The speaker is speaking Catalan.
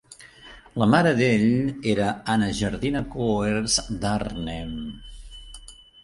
La mare d'ell era Anna Gerdina Coers d'Arnhem.